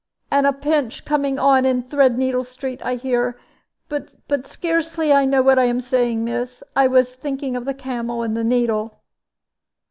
And a pinch coming on in Threadneedle Street, I hear but I scarcely know what I am saying, miss; I was thinking of the camel and the needle."